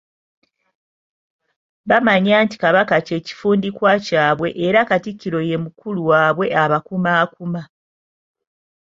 Bamanya nti Kabaka kye kifundikwa kyabwe era Katikkiro ye mukulu waabwe abakumaakuma.